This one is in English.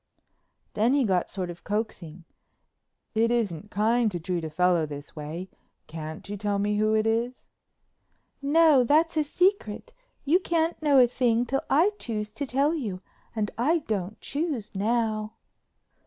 Then he got sort of coaxing, "It isn't kind to treat a fellow this way. Can't you tell me who it is?" "No, that's a secret. You can't know a thing till I choose to tell you and I don't choose now."